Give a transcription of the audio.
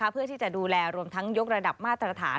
เพื่อที่จะดูแลรวมทั้งยกระดับมาตรฐาน